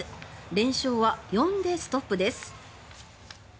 連勝は４でストップです。